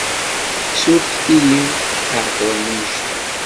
Surfet-iyi i iɛeṭṭlen annect-a.